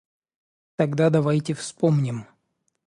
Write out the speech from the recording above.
Тогда давайте вспомним.